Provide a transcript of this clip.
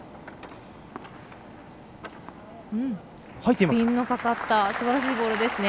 スピンのかかったすばらしいボールですね。